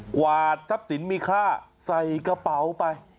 กวาดทรัพย์สินมีค่าใส่กระเป๋าไป